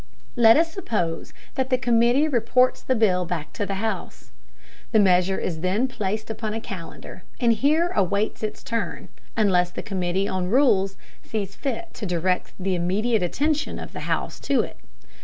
Let us suppose that the committee reports the bill back to the House. The measure is then placed upon a calendar and here awaits its turn, unless the committee on rules sees fit to direct the immediate attention of the House to it.